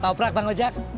kau mau ambil apa bang ojak